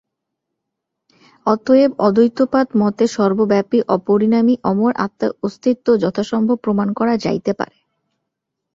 অতএব অদ্বৈতবাদ-মতে সর্বব্যাপী, অপরিণামী, অমর আত্মার অস্তিত্ব যথাসম্ভব প্রমাণ করা যাইতে পারে।